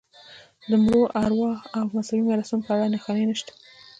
د مړو ارواوو او مذهبي مراسمو په اړه نښانې نشته.